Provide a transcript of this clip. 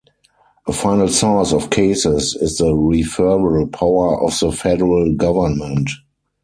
A final source of cases is the referral power of the federal government.